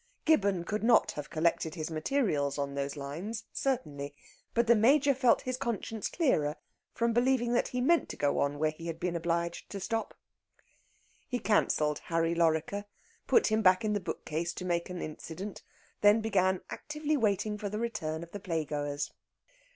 Gibbon could not have collected his materials on those lines, certainly. But the Major felt his conscience clearer from believing that he meant to go on where he had been obliged to stop. He cancelled "Harry Lorrequer," put him back in the bookcase to make an incident, then began actively waiting for the return of the playgoers.